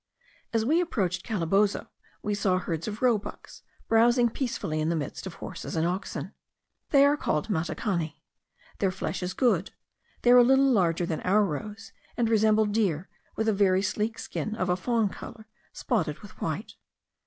As we approached Calabozo, we saw herds of roebucks browsing peacefully in the midst of horses and oxen. They are called matacani; their flesh is good; they are a little larger than our roes, and resemble deer with a very sleek skin, of a fawn colour, spotted with white.